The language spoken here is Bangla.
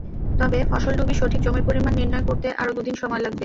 তবে ফসলডুবির সঠিক জমির পরিমাণ নির্ণয় করতে আরও দুদিন সময় লাগবে।